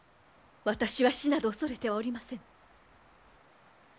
私は死など恐れてはおりませぬ。